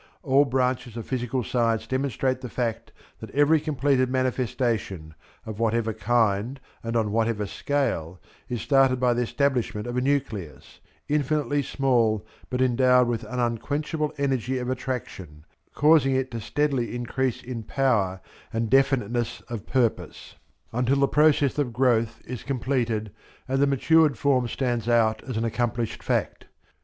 All branches of physical science demonstrate the fact that every completed manifestation, of whatever kind and on whatever scale, is started by the establishment of a nucleus, infinitely small but endowed with an unquenchable energy of attraction, causing it to steadily increase in power and definiteness of purpose, until the process of growth is completed and the matured form stands out as an accomplished fact.